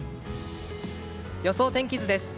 予想天気図です。